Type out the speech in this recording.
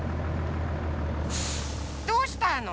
どうしたの？